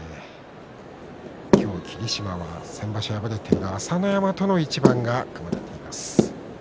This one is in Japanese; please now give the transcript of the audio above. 今日、霧島は先場所敗れている朝乃山との一番が組まれています。